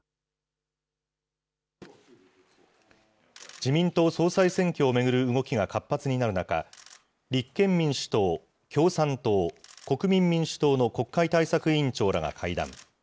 自民党総裁選挙を巡る動きが活発になる中、立憲民主党、共産党、国民民主党の国会対策委員長らが会談。